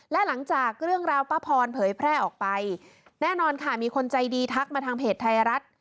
และหลังจากเรื่องราวป้าพรเผยแพร่ออกไปแน่นอนค่ะมีคนใจดีทักมาทางเพจไทยรัฐ